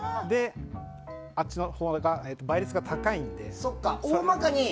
あっちのほうが倍率が高いので。